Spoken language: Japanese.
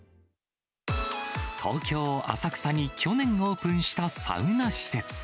東京・浅草に去年オープンしたサウナ施設。